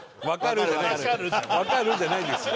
「わかる」じゃないですよ。